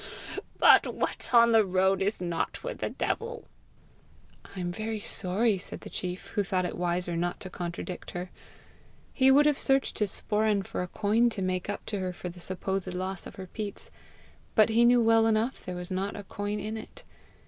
But what's on the road is not with the devil." "I am very sorry!" said the chief, who thought it wiser not to contradict her. He would have searched his sporan for a coin to make up to her for the supposed loss of her peats; but he knew well enough there was not a coin in it.